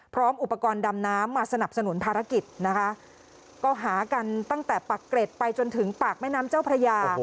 พร้อมอุปกรณ์ดำน้ำมาสนับสนุนภารกิจนะคะก็หากันตั้งแต่ปากเกร็ดไปจนถึงปากแม่น้ำเจ้าพระยา